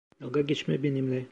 Dalga geçme benimle.